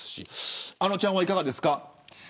あのちゃんはいかがですか。